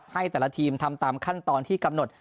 ให้แต่ละทีมทำตามขั้นตอนที่กำหนด